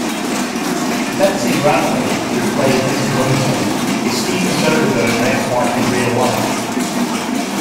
Betsy Brantley, who plays Mrs. Munson, is Steven Soderbergh's ex-wife in real-life.